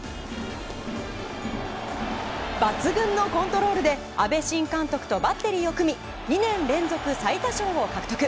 抜群のコントロールで阿部新監督とバッテリーを組み２年連続最多勝を獲得。